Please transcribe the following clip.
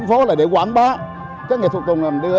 cho nên thành phố muốn đưa tùngilde